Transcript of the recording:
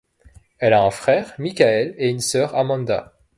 Elle a un frère, Michael, et une sœur, Amanda.